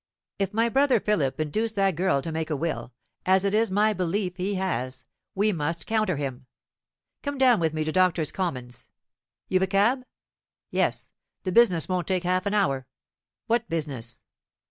If my brother Philip has induced that girl to make a will, as it is my belief he has, we must counter him. Come down with me to Doctors' Commons. You've a cab? Yes; the business won't take half an hour." "What business?"